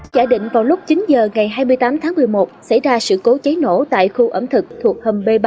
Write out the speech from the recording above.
giải định vào lúc chín h ngày hai mươi tám tháng một mươi một xảy ra sự cố cháy nổ tại khu ẩm thực thuộc hầm b ba